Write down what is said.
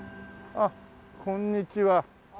あっこんにちは。